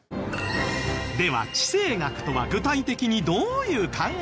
では地政学とは具体的にどういう考え方なのか？